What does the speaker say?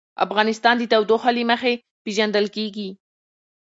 افغانستان د تودوخه له مخې پېژندل کېږي.